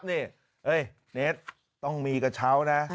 เน็ตต้องมีกระเช้านะ